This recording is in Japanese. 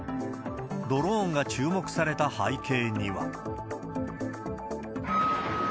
ドローンが注目された背景には。